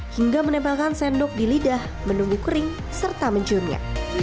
hingga menempelkan sendok di lidah menunggu kering serta menciumnya